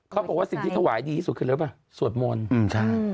เขาบอกว่าสิ่งที่ถวายดีที่สุดคืออะไรป่ะสวดมนต์อืมใช่